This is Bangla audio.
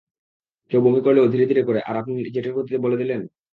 কেউ বমি করলেও ধীরে ধীরে করে, আর আপনি জেটের গতিতে বলে দিলেন?